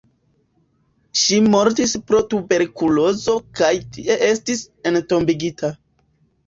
Ŝi mortis pro tuberkulozo kaj tie estis entombigita.